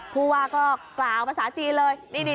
ผู้ว่าก็กล่าวภาษาจีนเลย